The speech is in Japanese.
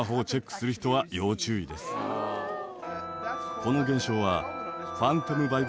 この現象は。